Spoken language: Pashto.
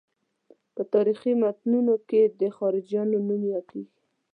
په تاریخي متونو کې د خلجیانو نوم یادېږي.